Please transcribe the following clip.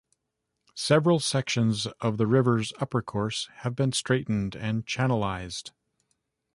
Several sections of the river's upper course have been straightened and channelized.